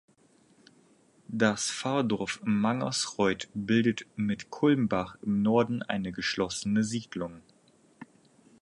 Das Pfarrdorf Mangersreuth bildet mit Kulmbach im Norden eine geschlossene Siedlung.